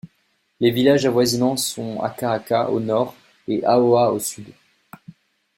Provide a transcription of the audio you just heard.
Les villages avoisinants sont Aka'aka au nord et Ahoa au sud.